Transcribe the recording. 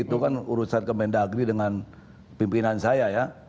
itu kan urusan kemendagri dengan pimpinan saya ya